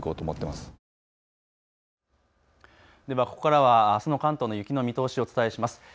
ここらはあすの関東の雪の見通しをお伝えします。